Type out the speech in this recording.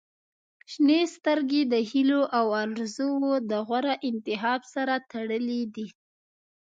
• شنې سترګې د هیلو او آرزووو د غوره انتخاب سره تړلې دي.